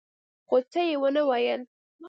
خو څه يې ونه ويل.